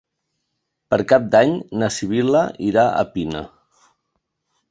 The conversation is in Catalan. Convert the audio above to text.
Per Cap d'Any na Sibil·la irà a Pina.